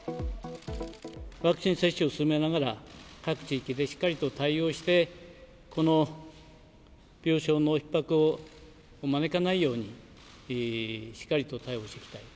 ワクチン接種を進めながら、各地域でしっかりと対応して、この病床のひっ迫を招かないように、しっかりと対応していきたい。